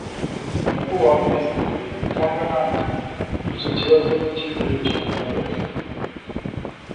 nyakubahwa minisitiri ubwe, cyangwa nanjye, kuri icyo kibazo. icyizere cy'umugabo